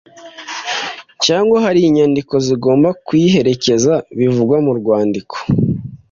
cyangwa hari inyandiko zigomba kuyiherekeza, bivugwa mu rwandiko